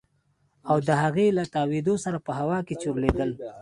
او د هغې له تاوېدو سره په هوا کښې چورلېدل.